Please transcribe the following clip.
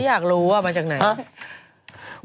อยากรู้ว่ามาจากไหน